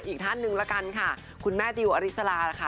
อีกหน้านึงแล้วกันค่ะคุณแม่ดิวอริสราค่ะ